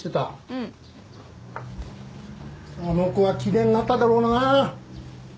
うんあの子はきれいになっただろうなあ